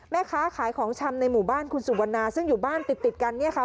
แม่ค้าขายของชำในหมู่บ้านคุณสุวรรณาซึ่งอยู่บ้านติดติดกันเนี่ยค่ะ